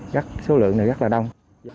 chắc số lượng này rất là đông